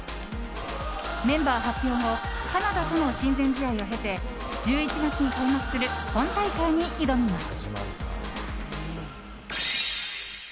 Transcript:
メンバー発表後カナダとの親善試合を経て１１月に開幕する本大会に挑みます。